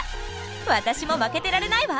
私も負けてられないわ！